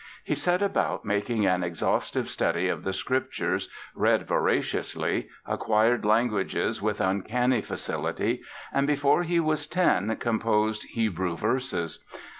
He set about making an exhaustive study of the Scriptures, read voraciously, acquired languages with uncanny facility and, before he was ten, composed Hebrew verses.